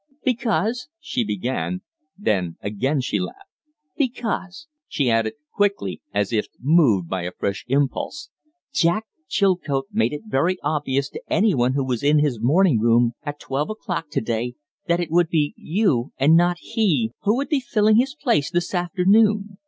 "Because " she began; then again she laughed. "Because," she added, quickly, as if moved by a fresh impulse, "Jack Chilcote made it very obvious to any one who was in his morning room at twelve o'clock today that it would be you and not he who would be found filling his place this afternoon!